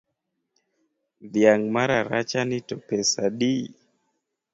Dhiang’ mararachani to pesadi?